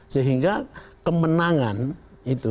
sehingga kemenangan itu